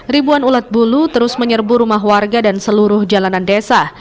ribuan ulat bulu terus menyerbu rumah warga dan seluruh jalanan desa